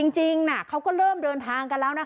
จริงเขาก็เริ่มเดินทางกันแล้วนะคะ